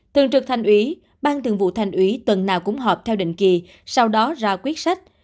thường trực thành ủy ban thường vụ thành ủy tuần nào cũng họp theo định kỳ sau đó ra quyết sách